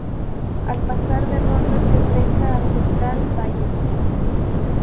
Al pasar de ronda se enfrenta a Central Ballester.